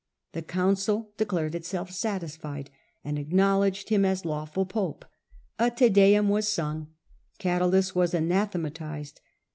The council n.^eciared ^^^^j^pQ^ itsclf Satisfied, and acknowledged him as lawful pope ; a Te Deum was sung, Cadalus was anathematised.